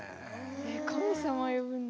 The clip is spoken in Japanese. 神様よぶんだ。